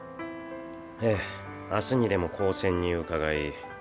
ええ明日にでも高専に伺い。